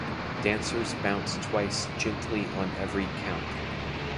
Dancers bounce twice gently on every count.